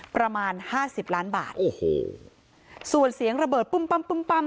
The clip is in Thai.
ประมาณห้าสิบล้านบาทโอ้โหส่วนเสียงระเบิดปุ้มปั้มปุ้มปั้ม